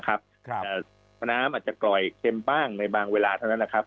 อาจจะค่อยเค็มบ้างในบางเวลาเป็นล่ะนะครับ